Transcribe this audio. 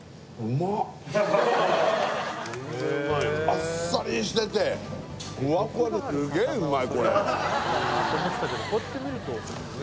あっさりしてて、ふわふわですげぇ、うまい。